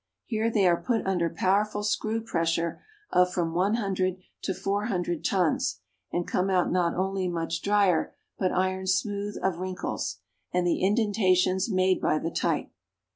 Here they are put under powerful screw pressure of from one hundred to four hundred tons, and come out not only much dryer, but ironed smooth of wrinkles, and the indentations made by the type.